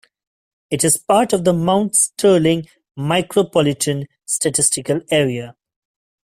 It is part of the Mount Sterling Micropolitan Statistical Area.